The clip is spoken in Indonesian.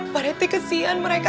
pak rt kesian mereka